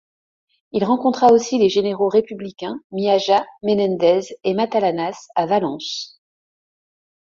Il rencontra aussi les généraux républicains Miaja, Menendez et Matallanas à Valence.